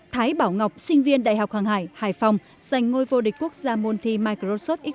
thái bảo ngọc sinh viên đại học hàng hải hải phòng giành ngôi vô địch quốc gia môn thi microsoft x